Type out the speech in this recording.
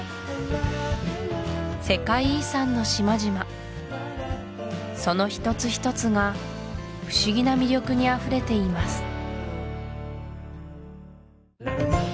世界遺産の島々その一つ一つが不思議な魅力にあふれています